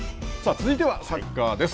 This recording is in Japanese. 続いてはサッカーです。